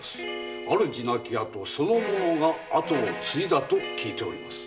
主亡き後その者があとを継いだと聞いております。